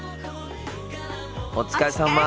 お疲れさま。